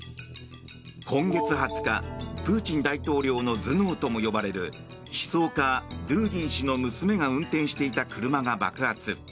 今月２０日、プーチン大統領の頭脳とも呼ばれる思想家、ドゥーギン氏の娘が運転していた車が爆発。